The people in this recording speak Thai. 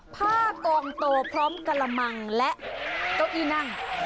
ผ้ากองโตพร้อมกระมังและเก้าอี้นั่ง